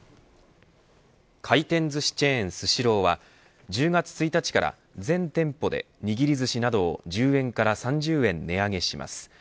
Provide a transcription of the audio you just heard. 回転ずしチェーン、スシローは１０月１日から全店舗でにぎり寿司などを１０円から３０円値上げします。